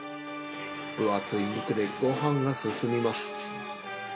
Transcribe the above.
分厚い肉でごはんが進みます。